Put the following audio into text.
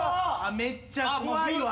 めっちゃ怖いわ。